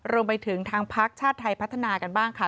รวมไปถึงทางพักชาติไทยพัฒนากันบ้างค่ะ